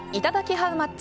ハウマッチ。